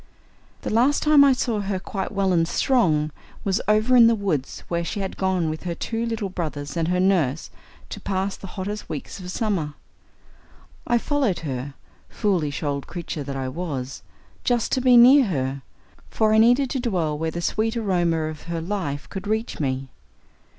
The last time I saw her quite well and strong was over in the woods where she had gone with her two little brothers and her nurse to pass the hottest weeks of summer. I followed her, foolish old creature that I was, just to be near her, for I needed to dwell where the sweet aroma of her life could reach me.